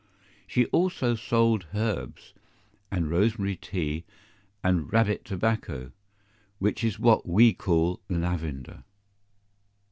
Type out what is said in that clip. She also sold herbs, and rosemary tea, and rabbit tobacco (which is what WE call lavender).